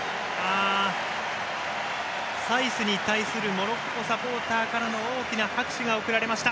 サイスに対するモロッコサポーターからの大きな拍手が送られました。